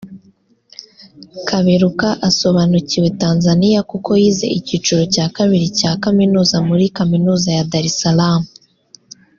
Kaberuka asobanukiwe Tanzania kuko yize icyiciro cya kabiri cya Kaminuza muri Kaminuza ya Dar es Salaam